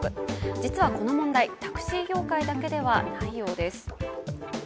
実はこの問題、タクシー業界だけではないようです。